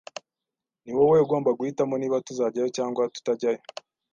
Ni wowe ugomba guhitamo niba tuzajyayo cyangwa tutajyayo.